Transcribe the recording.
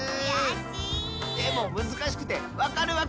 でもむずかしくてわかるわけないッス！